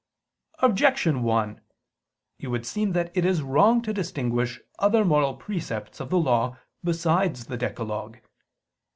Objection 1: It would seem that it is wrong to distinguish other moral precepts of the law besides the decalogue.